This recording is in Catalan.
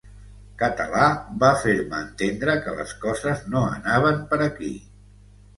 Català va fer-me entendre que les coses no anaven per aquí.